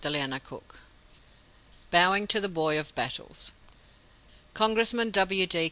BOWING TO THE BOY OF BATTLES. Congressman W. D.